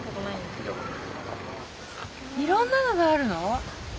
いろんなのがあるの？